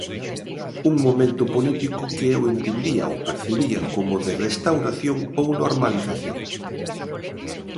Un momento político que eu entendía ou percibía como de restauración ou normalización.